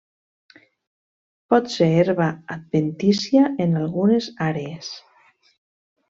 Pot ser herba adventícia en algunes àrees.